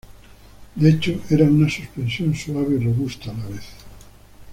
De hecho, era una suspensión suave y robusta a la vez.